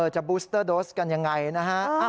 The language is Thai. บูสเตอร์โดสกันยังไงนะฮะ